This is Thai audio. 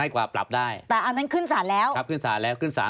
กว่าปรับได้แต่อันนั้นขึ้นศาลแล้วครับขึ้นศาลแล้วขึ้นสาร